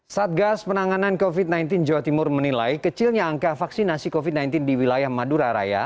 satgas penanganan covid sembilan belas jawa timur menilai kecilnya angka vaksinasi covid sembilan belas di wilayah madura raya